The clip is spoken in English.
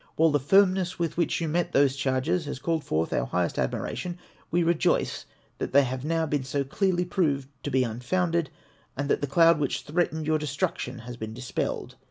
While the firmness with which you met those charges has called forth our highest admiration, we rejoice that they have now been so clearly proved to be un founded, and that the cloud which threatened your destruction has been dispelled.